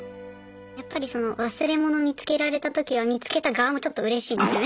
やっぱりその忘れ物見つけられた時は見つけた側もちょっとうれしいんですよね。